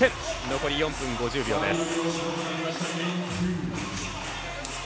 残り４分５０秒です。